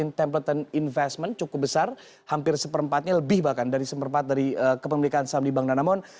yang merupakan pemilik saham yang cukup besar hampir seperempatnya lebih bahkan dari seperempat dari kepemilikan saham di bank danamon